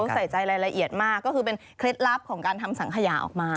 ใส่ใจรายละเอียดมากก็คือเป็นเคล็ดลับของการทำสังขยาออกมา